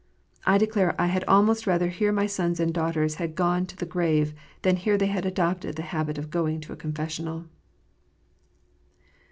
I declare I had almost rather hear my sons and daughters had gone to the grave, than hear they had adopted the habit of going to a confessional.